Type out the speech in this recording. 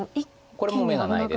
これもう眼がないです。